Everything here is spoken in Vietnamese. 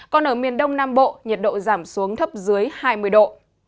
còn ở miền đông nam bộ nhiệt độ giảm xuống thấp dưới hai mươi độ